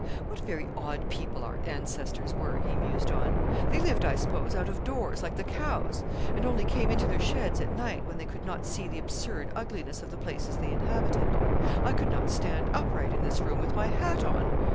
'What very odd people our ancestors were,' he mused on. 'They lived, I suppose, out of doors like the cows, and only came into their sheds at night, when they could not see the absurd ugliness of the places they inhabited. I could not stand upright in this room with my hat on.